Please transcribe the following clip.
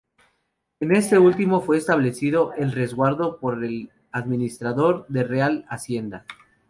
En este último, fue establecido un resguardo por el administrador de Real Hacienda.